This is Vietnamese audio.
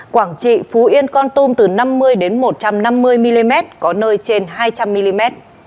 quảng trị phú yên con tum từ năm mươi đến một trăm năm mươi mm có nơi trên hai trăm linh mm